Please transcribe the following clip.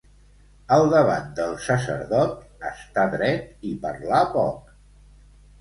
Al davant del sacerdot, estar dret i parlar poc.